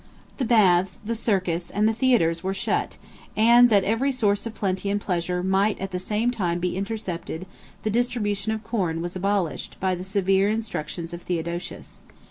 87 The baths, the Circus, and the theatres were shut: and, that every source of plenty and pleasure might at the same time be intercepted, the distribution of corn was abolished, by the severe instructions of Theodosius.